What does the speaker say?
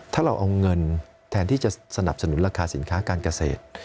ถ้าเราเอาเงินแทนที่จะสนับสนุนราคาสินค้าการเกษตร